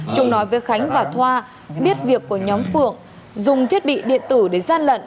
trung nói với khánh và thoa biết việc của nhóm phượng dùng thiết bị điện tử để gian lận